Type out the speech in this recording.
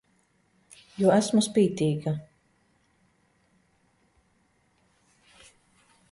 Jo es esmu spītīga!